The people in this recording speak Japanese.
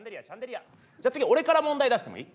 じゃあ次俺から問題出してもいい？